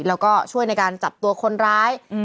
แล้วก็ช่วยในการจับตัวคนร้าย